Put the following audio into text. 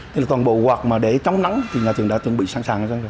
thế là toàn bộ quạt mà để chống nắng thì nhà trường đã chuẩn bị sẵn sàng cho chúng tôi